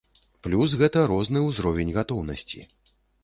Плюс гэта розны ўзровень гатоўнасці.